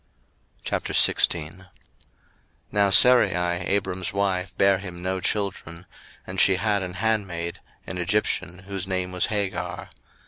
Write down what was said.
01:016:001 Now Sarai Abram's wife bare him no children: and she had an handmaid, an Egyptian, whose name was Hagar.